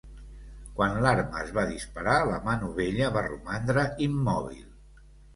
Quan l'arma es va dispara, la manovella va romandre immòbil.